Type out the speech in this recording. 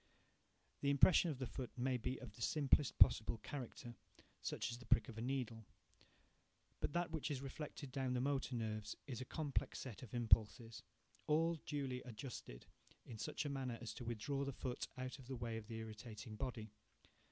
The impression on the foot may be of the simplest possible character—such as the prick of a needle—but that which is reflected down the motor nerves is a complex set of impulses, all duly adjusted, in such a manner as to withdraw the foot out of the way of the irritating body.